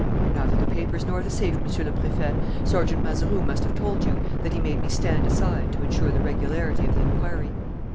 "Neither the papers nor the safe, Monsieur le Préfet. Sergeant Mazeroux must have told you that he made me stand aside, to insure the regularity of the inquiry."